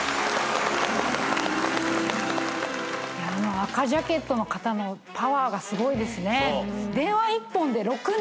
赤ジャケットの方のパワーがすごいですね。